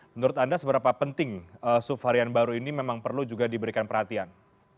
menurut anda seberapa penting subvarian baru ini memang perlu juga diberikan perhatian